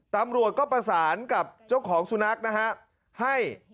ตำรวจก็ประสานกับเจ้าของสุนัขนะฮะให้